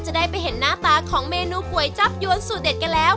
จะได้ไปเห็นหน้าตาของเมนูก๋วยจับยวนสูตรเด็ดกันแล้ว